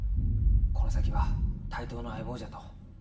この先は対等の相棒じゃと。